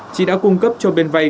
chị đã cung cấp cho bên vay